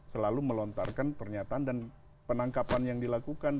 selalu melontarkan pernyataan dan penangkapan yang dilakukan